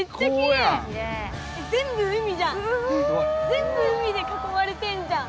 全部海で囲まれてんじゃん！